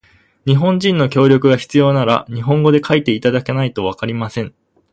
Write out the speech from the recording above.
日本人の協力が必要なら、日本語で書いていただかないとわかりません。